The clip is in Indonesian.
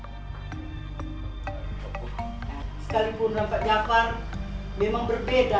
sekalipun nampak jafar memang berbeda